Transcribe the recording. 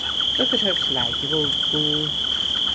"Look at her flag, you old fool."